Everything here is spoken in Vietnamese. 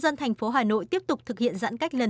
cái đăng ký hộ khẩu của em thì là rất ở đây